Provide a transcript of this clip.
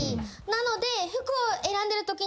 なので。